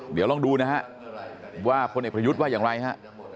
เดี๋ยวลองดูนะฮะว่าพลเอกประยุทธ์ว่าอย่างไรฮะ